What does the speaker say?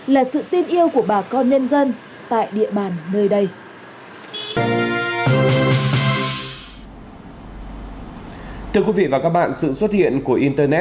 là sự tin yêu của bà con